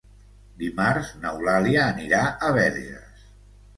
Dimarts n'Eulàlia anirà a Verges.